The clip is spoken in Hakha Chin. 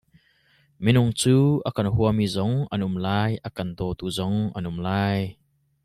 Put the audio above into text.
Minung cu a kan huami zong an um lai , a kan daw tu zong an um lai.